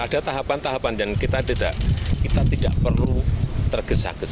ada tahapan tahapan dan kita tidak perlu tergesa gesa